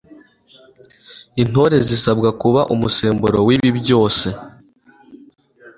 intore zisabwa kuba umusemburo w'ibi byose